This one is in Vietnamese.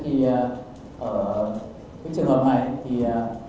thế thì ở trường hợp này thì có lẽ tôi đã nói ban đầu là do thần mệnh